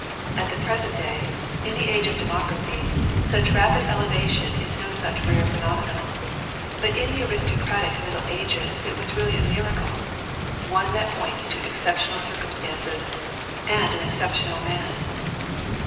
At the present day, in the age of democracy, such rapid elevation is no such rare phenomenon, but in the aristocratic middle ages it was really a miracle, one that points to exceptional circumstances and an exceptional man.